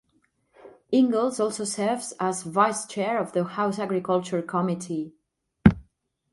Ingels also serves as vice chair of the House Agriculture Committee.